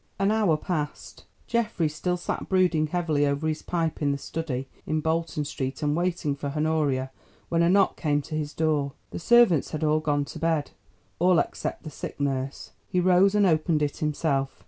An hour passed. Geoffrey still sat brooding heavily over his pipe in the study in Bolton Street and waiting for Honoria, when a knock came to his door. The servants had all gone to bed, all except the sick nurse. He rose and opened it himself.